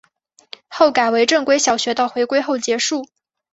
后改为正规小学到回归后结束。